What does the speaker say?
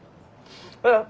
うん！